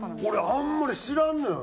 俺あんまり知らんのよな。